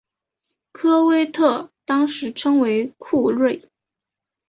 科威特当时称为库锐。